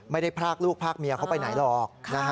ไม่ได้พรากลูกพรากเมียเขาไปไหนหรอก